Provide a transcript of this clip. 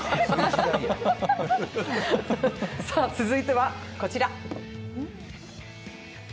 続いてはこちら。